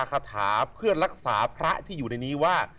คาถาเพื่อรักษาพระที่อยู่ในนี้ว่า